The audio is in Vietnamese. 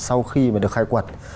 sau khi được khai quật